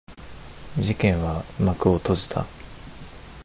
事件は幕を閉じた。